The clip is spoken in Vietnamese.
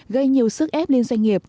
gây nhiều sức ép lên doanh nghiệp